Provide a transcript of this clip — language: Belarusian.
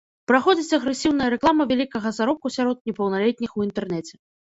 Праходзіць агрэсіўная рэклама вялікага заробку сярод непаўналетніх у інтэрнэце.